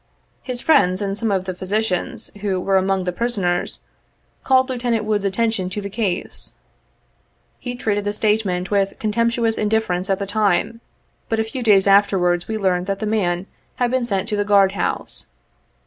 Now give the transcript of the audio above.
His friends, and some of the physicians, who were among the prisoners, called Lieutenant Wood's attention to the case. He treated the statement with contemptuous indifference at the time, but a few days afterwards we learned that the man had been sent to the guard house.